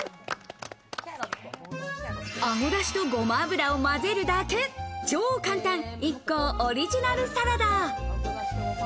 あごだしとゴマ油を混ぜるだけ、超簡単ＩＫＫＯオリジナルサラダ。